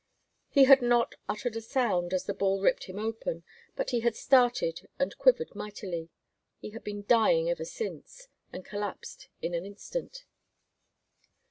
He had not uttered a sound as the bull ripped him open, but he had started and quivered mightily; he had been dying ever since, and collapsed in an instant.